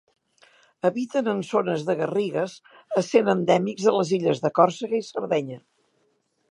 Habiten en zones de garrigues, essent endèmics de les illes de Còrsega i Sardenya.